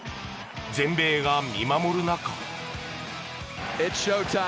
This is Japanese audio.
全米が見守る中。